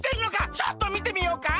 ちょっとみてみようか。